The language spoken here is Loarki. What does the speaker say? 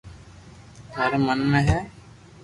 ٿاري من ۾ ھي